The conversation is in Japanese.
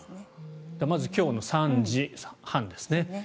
まず、今日の３時半ですね。